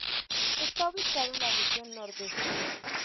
Está ubicado en la región nordeste.